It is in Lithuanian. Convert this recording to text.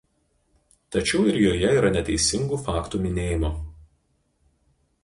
Tačiau ir joje yra neteisingų faktų minėjimo.